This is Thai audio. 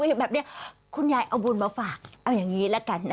โอ๊ยแม่อสมขึ้นไปอยู่หลังหัวพ่อจังซาน